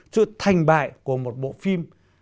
sự thành bại của một bộ phim